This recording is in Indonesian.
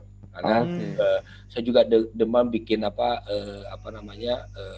karena saya juga demam bikin apa namanya